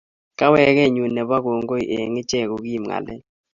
Kawekenyu nebo kongoi eng iche ko kiib ngalek